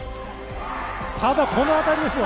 ただ、この当たりですよ。